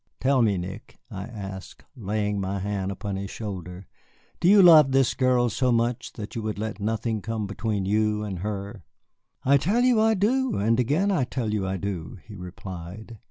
Tell me, Nick," I asked, laying my hand upon his shoulder, "do you love this girl so much that you would let nothing come between you and her?" "I tell you, I do; and again I tell you, I do," he replied.